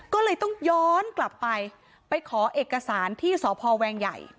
ก็เลยต้องย้อนกลับไปไปขอเอกสารที่สพแวงใหญ่